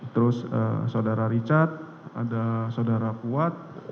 terus saudara richard ada saudara kuat